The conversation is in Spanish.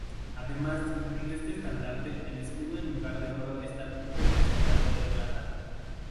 Además, en este estandarte, el escudo en lugar de oro está representado de plata.